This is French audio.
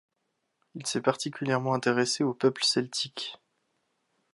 Il s'est particulièrement intéressé aux peuples celtiques.